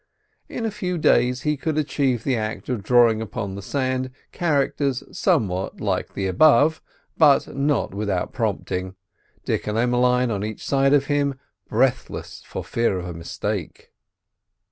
In a few days he could achieve the act of drawing upon the sand characters somewhat like the above, but not without prompting, Dick and Emmeline on each side of him, breathless for fear of a mistake.